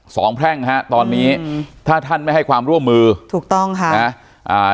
แพร่งฮะตอนนี้อืมถ้าท่านไม่ให้ความร่วมมือถูกต้องค่ะนะอ่า